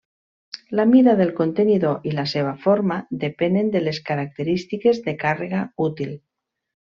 La mida del contenidor i la seva forma depenen de les característiques de càrrega útil.